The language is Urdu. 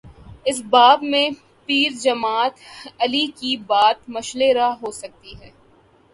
اس باب میں پیر جماعت علی کی بات مشعل راہ ہو سکتی ہے۔